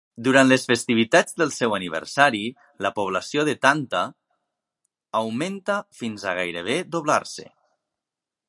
Durant les festivitats del seu aniversari, la població de Tanta augmenta fins a gairebé doblar-se.